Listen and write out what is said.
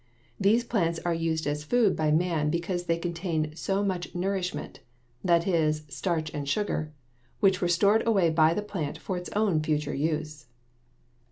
These plants are used as food by man because they contain so much nourishment; that is, starch and sugar which were stored away by the plant for its own future use.